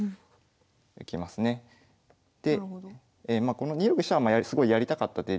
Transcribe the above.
この２六飛車はすごいやりたかった手で。